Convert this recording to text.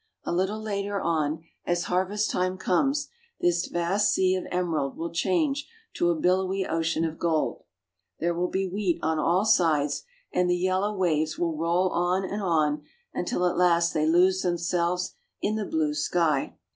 A little later on, as harvest time comes, this vast sea of emerald will change to a billowy ocean of gold. Tliere will be wheat on all sides, and the yellow waves will roll on and on until at last they lose themselves in the blue sky.